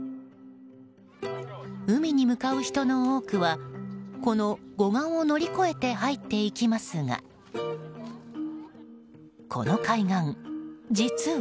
海に向かう人の多くはこの護岸を乗り越えて入っていきますがこの海岸、実は。